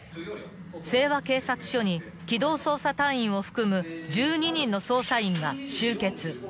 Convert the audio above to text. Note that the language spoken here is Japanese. ［西和警察署に機動捜査隊員を含む１２人の捜査員が集結］